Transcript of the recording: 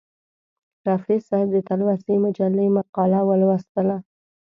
رفیع صاحب د تلوسې مجلې مقاله ولوستله.